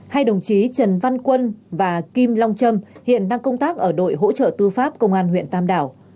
hai đồng chí trần văn quân và kim long trâm hiện đang công tác ở đội hỗ trợ tư pháp công an huyện tam đảo